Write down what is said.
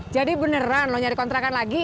jadi beneran lo nyari kontrakan lagi